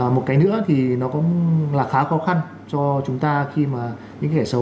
một cái nữa thì nó cũng là khá khó khăn cho chúng ta khi mà những kẻ xấu